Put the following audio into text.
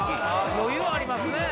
余裕ありますね。